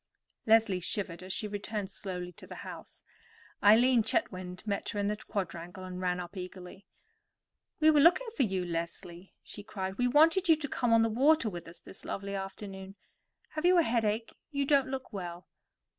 Leslie shivered as she returned slowly to the house. Eileen Chetwynd met her in the quadrangle and ran up eagerly. "We were looking for you, Leslie," she cried. "We wanted you to come on the water with us this lovely afternoon. Have you a headache? You don't look well."